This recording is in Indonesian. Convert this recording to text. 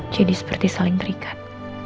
jadi seperti saling terikat